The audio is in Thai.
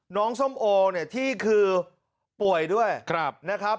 ส้มโอเนี่ยที่คือป่วยด้วยนะครับ